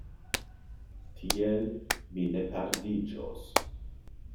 Tiel, mi ne perdiĝos.